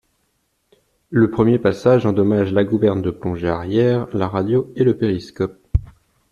Le premier passage endommage la gouverne de plongée arrière, la radio et le périscope.